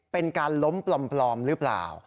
เป็นการล้มปลอมหรือเปล่า